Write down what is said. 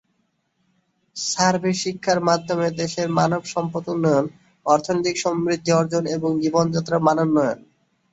Survey শিক্ষার মাধ্যমে দেশের মানব সম্পদ উন্নয়ন, অর্থনৈতিক সমৃদ্ধি অর্জন এবং জীবন যাত্রার মানোন্নয়ন।